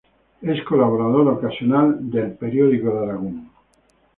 Es colaborador ocasional de "El Periódico de Aragón".